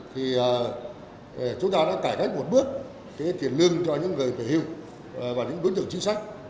thì chúng ta đã cải cách một bước tiền lương cho những người về hưu và những đối tượng chính sách